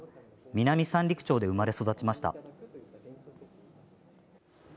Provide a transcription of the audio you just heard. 南三陸町で生まれ育ちました。